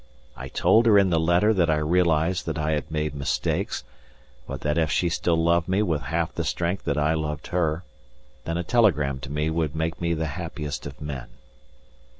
I told her in the letter that I realized that I had made mistakes, but that if she still loved me with half the strength that I loved her, then a telegram to me would make me the happiest of men.